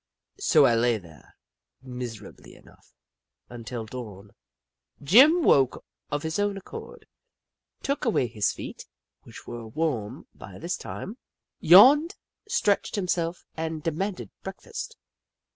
So I lay there, miserably enough, until dawn. Jim woke of his own accord, took Jim Crow 1 1 1 away his feet, which were warm by this time, yawned, stretched himself, and demanded breakfast.